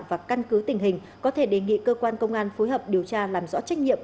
và căn cứ tình hình có thể đề nghị cơ quan công an phối hợp điều tra làm rõ trách nhiệm